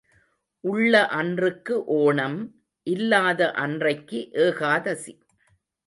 உள்ள அன்றுக்கு ஓணம் இல்லாத அன்றைக்கு ஏகாதசி.